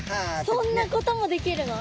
そんなこともできるの！？